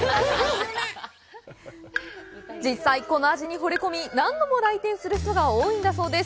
実際、この味にほれ込み何度も来店する人が多いんだそうです。